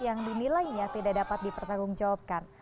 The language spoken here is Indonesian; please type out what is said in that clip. yang dinilainya tidak dapat dipertanggungjawabkan